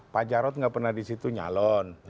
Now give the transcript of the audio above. pak jarod nggak pernah di situ nyalon